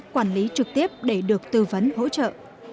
quản lý trực tiếp để được tư vấn hỗ trợ